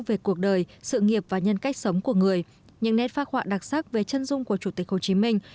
về cuộc đời sự nghiệp và nhân cách sống của người những nét phác họa đặc sắc về chân dung của chủ tịch hồ chí minh